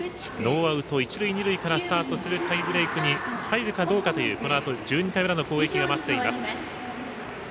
ノーアウト、一塁二塁からスタートするタイブレークに入るかどうかというこのあと１２回目の攻撃が待っています。